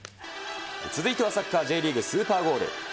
続いてはサッカー・Ｊリーグ、スーパーゴール。